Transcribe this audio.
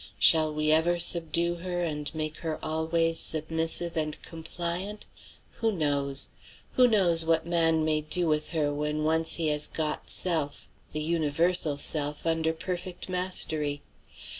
Shall we ever subdue her and make her always submissive and compliant? Who knows? Who knows what man may do with her when once he has got self, the universal self, under perfect mastery?